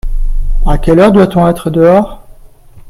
À quelle heure doit-on être dehors ?